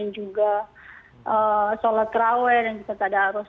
juga sholat raweh dan jika tidak harus